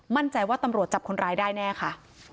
มั่นใจว่าตำรวจจับคนร้ายได้แน่ค่ะ